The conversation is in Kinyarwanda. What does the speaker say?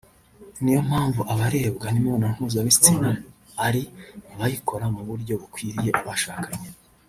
niyo mpamvu abarebwa n’imibonano mpuzabitsina ari abayikora mu buryo bukwiye (abashakanye)